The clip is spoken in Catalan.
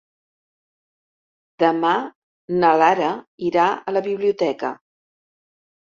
Demà na Lara irà a la biblioteca.